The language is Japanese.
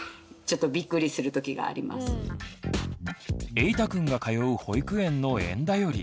えいたくんが通う保育園の「園だより」。